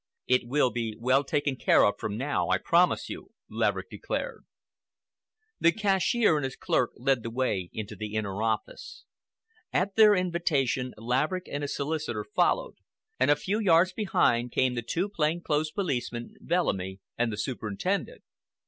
"It will be well taken care of from now, I promise you," Laverick declared. The cashier and his clerk led the way into the inner office. At their invitation Laverick and his solicitor followed, and a few yards behind came the two plain clothes policemen, Bellamy, and the superintendent.